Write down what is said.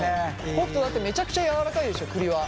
北斗だってめちゃくちゃやわらかいでしょ？栗は。